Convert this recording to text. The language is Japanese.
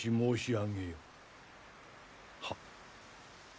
はっ。